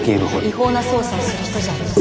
違法な捜査をする人じゃありません。